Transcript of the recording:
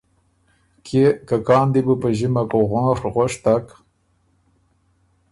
کيې که کان دی بو په ݫِمک غونڒ غؤشتک،